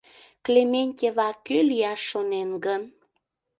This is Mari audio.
Клементьева кӧ лияш шонен гын?